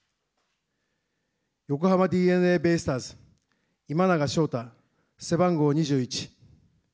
横浜ＤｅＮＡベイスターズ、今永昇太、背番号２１。